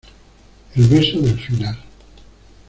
el beso del final.